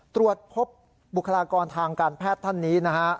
ตรวจพบบุคลากรทางการแพทย์ท่านนี้นะฮะ